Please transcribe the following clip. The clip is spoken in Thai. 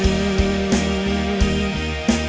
แม้วันนี้เธอยังรู้สึกอยู่